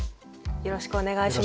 よろしくお願いします。